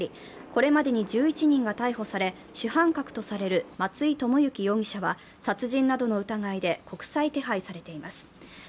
これまでに１１人が逮捕され、主犯格とされる松井知行容疑者は殺人などの疑いで国際手配されています。